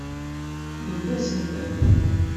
Tmuddemt-asen-ten.